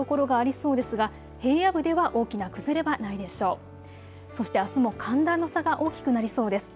そしてあすも寒暖の差が大きくなりそうです。